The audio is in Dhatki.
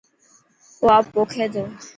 او آپ پوکي ٿو.